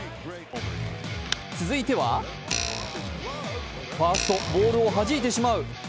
続いては、ファースト、ボールをはじいてしまう。